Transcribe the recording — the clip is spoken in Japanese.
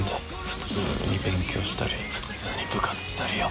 普通に勉強したり普通に部活したりよ。